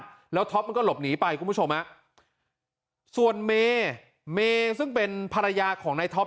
ขึ้นบ้านแล้วท็อปมันก็หลบหนีไปคุณผู้ชมส่วนเมย์ซึ่งเป็นภรรยาของในท็อป